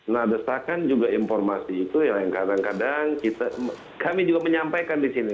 nah desakan juga informasi itu yang kadang kadang kami juga menyampaikan di sini